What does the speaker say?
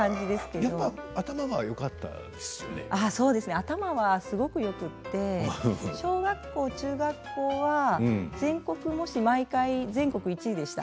頭はすごくよくって小学校中学校は全国模試毎回全国１位でした。